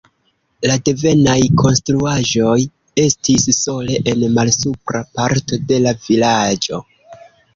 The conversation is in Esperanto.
La devenaj konstruaĵoj estis sole en malsupra parto de la vilaĝo.